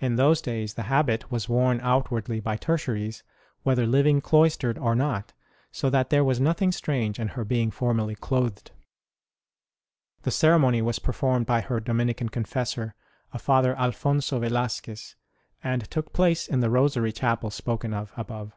In those days the habit was worn outwardly by Tertiaries, whether living cloistered or not, so that there was nothing strange in her being formally clothed. The ceremony was performed by her Dominican confessor, a Father Alphonso Velasquez, and took place in the Rosary Chapel spoken of above.